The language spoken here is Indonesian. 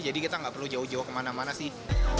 jadi kita gak perlu jauh jauh kemana mana sih